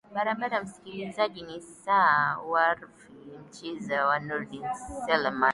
barabara msikilizaji ni wasaa wa rfi micheza na nurdin seleman